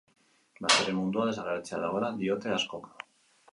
Baserri mundua desagertzear dagoela diote askok.